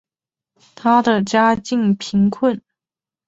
她的家境贫穷。